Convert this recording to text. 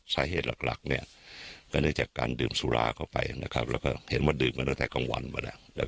เพิ่มที่พักเนี่ยคงจะตีบริเวณที่ศีรษะเนี่ย